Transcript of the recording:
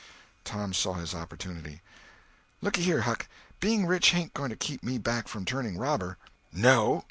Tom saw his opportunity— "Lookyhere, Huck, being rich ain't going to keep me back from turning robber." "No!